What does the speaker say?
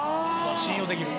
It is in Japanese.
信用できる。